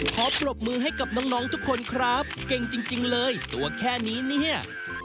ปรบมือให้กับน้องทุกคนครับเก่งจริงเลยตัวแค่นี้เนี่ย